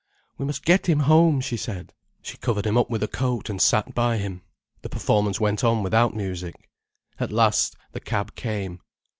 "We must get him home," she said. She covered him up with a coat, and sat by him. The performance went on without music. At last the cab came.